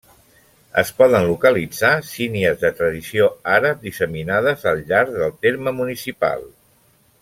Es poden localitzar sínies de tradició àrab disseminades al llarg del terme municipal.